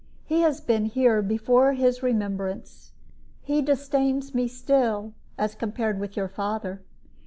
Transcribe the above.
He has been here before his remembrance. He disdains me still as compared with your father.